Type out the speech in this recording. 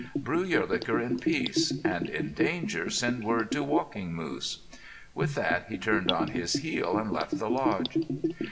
Brew your liquor in peace—and in danger send word to Walking Moose." With that he turned on his heel and left the lodge.